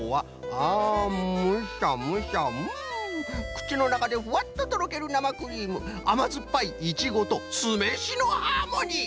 あムシャムシャうんくちのなかでふわっととろけるなまクリームあまずっぱいイチゴとすめしのハーモニー。